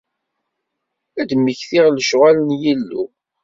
Ad d-mmektiɣ lecɣwal n Yillu.